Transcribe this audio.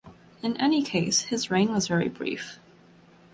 In any case his reign was very brief.